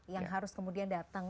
yang harus kemudian datang